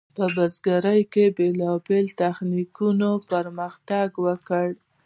په بزګرۍ کې بیلابیلو تخنیکونو پرمختګ وکړ.